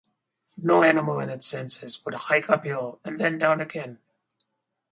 No animal in its senses would hike uphill and then down again.